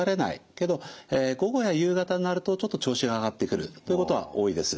けど午後や夕方になるとちょっと調子が上がってくるということは多いです。